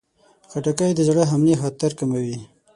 خټکی د زړه حملې خطر کموي.